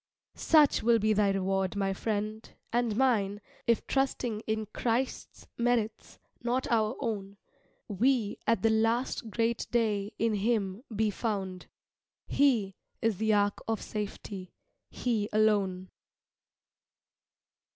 Such will be thy reward, my friend, and mine, If trusting in Christ's merits, not our own, We at the last great day in him be found; He is the ark of safety He alone.